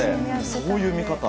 そういう見方が。